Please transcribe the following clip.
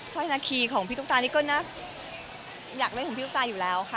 ร้อยนาคีของพี่ตุ๊กตานี่ก็น่าอยากเล่นของพี่ตุ๊กตาอยู่แล้วค่ะ